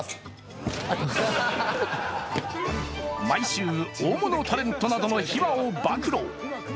毎週大物タレントなどの秘話を暴露。